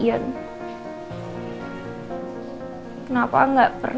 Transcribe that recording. jangan mohon scriber